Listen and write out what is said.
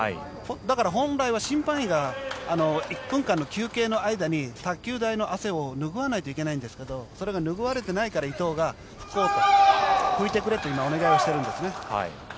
本来は審判員が１分間の休憩の間に卓球台の汗を拭わないといけないんですけどそれが拭われていないから伊藤が拭こうと、拭いてくれとお願いをしているんですね。